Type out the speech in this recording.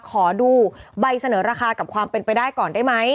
ขอดูใบเสนอราคากับความเป็นไปได้ก่อนได้ไหม